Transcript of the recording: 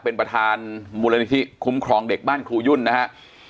เป็นประธานมูลนิธิคุ้มครองเด็กบ้านครูยุ่นนะฮะ